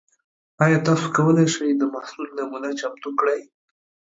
ایا تاسو کولی شئ د محصول نمونه چمتو کړئ؟